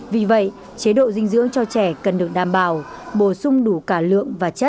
vì vậy chế độ dinh dưỡng cho trẻ cần được trả lời